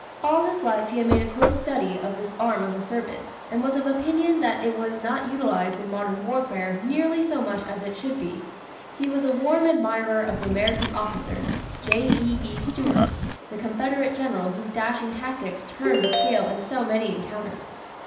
All his life he had made a close study of this arm of the service, and was of opinion that it was not utilized in modern warfare nearly so much as it should be. He was a warm admirer of the American officer, J. E. B. Stuart, the Confederate General whose dashing tactics turned the scale in so many encounters.